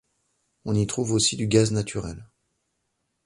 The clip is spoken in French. On y trouve aussi du gaz naturel.